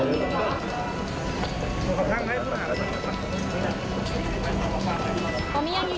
ยืนกันนะครับไม่ได้ทำความผิดผิด